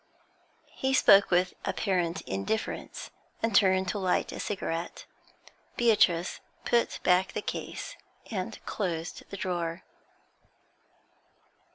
He spoke with apparent indifference, and turned to light a cigarette. Beatrice put back the case, and closed the drawer.